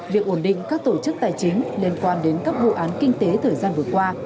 việc ổn định các tổ chức tài chính liên quan đến các vụ án kinh tế thời gian vừa qua